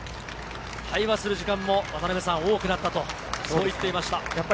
会話する時間も多くなったと言っていました。